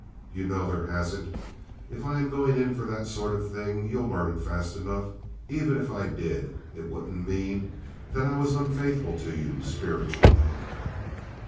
"You know there hasn't. If I am going in for that sort of thing you'll learn it fast enough. Even if I did, it wouldn't mean that I was unfaithful to you spiritually."